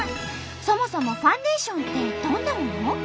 そもそもファンデーションってどんなもの？